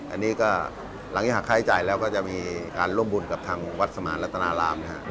อันนี้ก็หลังจากหักค่าใช้จ่ายแล้วก็จะมีการร่วมบุญกับทางวัดสมานรัตนารามนะฮะ